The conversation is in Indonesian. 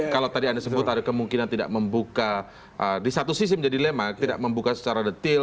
kalau tadi anda sebut ada kemungkinan tidak membuka di satu sisi menjadi dilema tidak membuka secara detail